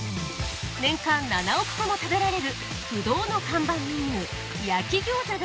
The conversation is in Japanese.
年間７億個も食べられる不動の看板メニュー